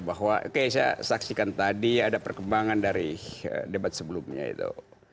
bahwa kayak saya saksikan tadi ada perkembangan dari debat sebelumnya itu